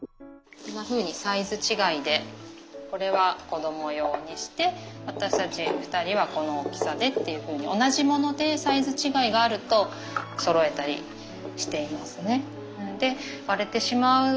こんなふうにサイズ違いでこれは子ども用にして私たち２人はこの大きさでっていうふうに同じものでサイズ違いがあるとそろえたりしていますね。